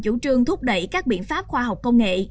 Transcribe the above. chủ trương thúc đẩy các biện pháp khoa học công nghệ